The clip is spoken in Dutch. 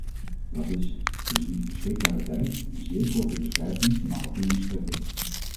Dat is, gezien de beschikbare tijd, een zeer korte beschrijving van de algemene strekking.